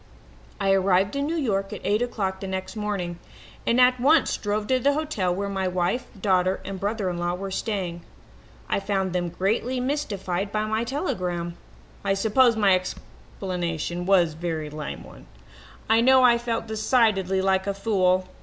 "I arrived in New York at eight o'clock the next morning and at once drove to the hotel where my wife, daughter and brother in law were staying. I found them greatly mystified by my telegram. I suppose my explanation was a very lame one. I know I felt decidedly like a fool.